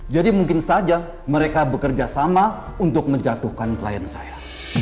jadi mungkin saja mereka bekerja sama untuk menjatuhkan klien saya